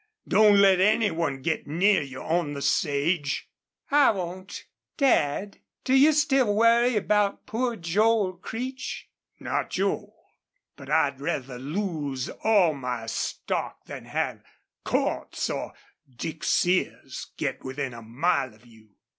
Don't let any one get near you on the sage." "I won't.... Dad, do you still worry about poor Joel Creech?" "Not Joel. But I'd rather lose all my stock then have Cordts or Dick Sears get within a mile of you."